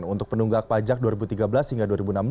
untuk penunggak pajak dua ribu tiga belas hingga dua ribu enam belas